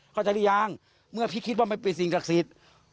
เข้าใจรึยังเมื่อพี่คิดว่าไม่มีสิ่งกษิต